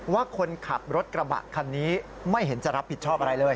ว่าคนขับรถกระบะคันนี้ไม่เห็นจะรับผิดชอบอะไรเลย